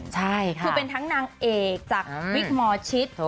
คือเป็นทั้งนางเอกจากวิทย์มอลชิศ